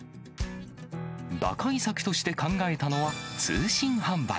打開策として考えたのは、通信販売。